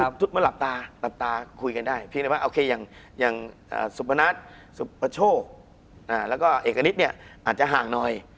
จุดมาหลับตาคุยกันได้อย่างสุปนัสสุปโชคและเอกณิตอาจจะห่างหน่อย